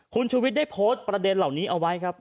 คุณชูวิทย์ได้โพสต์ประเด็นเหล่านี้เอาไว้ครับ